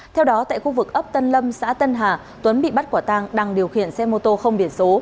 theo đó tại khu vực ấp tân lâm xã tân hà tuấn bị bắt quả tang đang điều khiển xe mô tô không biển số